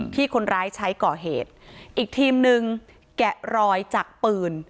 คนร้ายใช้ก่อเหตุอีกทีมนึงแกะรอยจากปืน